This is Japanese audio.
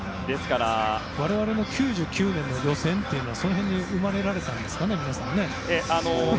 我々の９９年の予選というのはその辺で生まれられたんですかね。